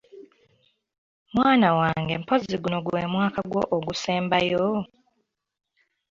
Mwana wange mpozzi guno gwe mwaka gwo ogusembayo?